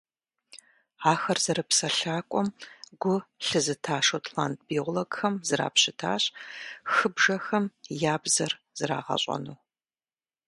Ахэр зэрыпсэлъакӏуэм гу лъызыта шотланд биологхэм зрапщытащ хыбжэхэм я «бзэр» зэрагъэщӏэну.